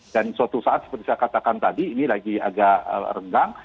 dan suatu saat seperti saya katakan tadi ini lagi agak renggang